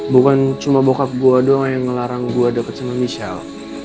bukan cuma bokap gue doang yang ngelarang gue deket sama michelle